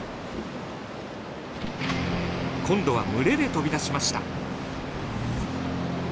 今度は群れで飛び出しました。